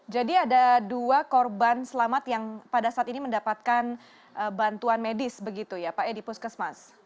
jadi ada dua korban selamat yang pada saat ini mendapatkan bantuan medis begitu ya pak e di puskesmas